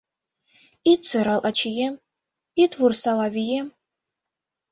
Ит сырал, ачием, ит вурсал, авием